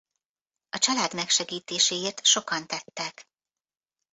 A család megsegítéséért sokan tettek.